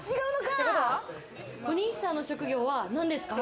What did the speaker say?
お兄さんの職業は何ですか？